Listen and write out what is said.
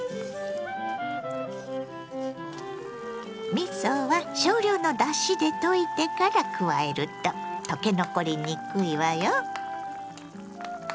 みそは少量のだしで溶いてから加えると溶け残りにくいわよ。